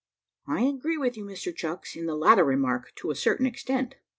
"I agree with you, Mr Chucks, in the latter remark, to a certain extent."